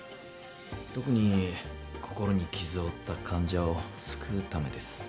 特に心に傷を負った患者を救うためです。